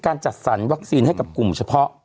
จัดสรรวัคซีนให้กับกลุ่มเฉพาะ